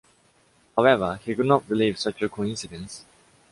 However, he could not believe such a coincidence!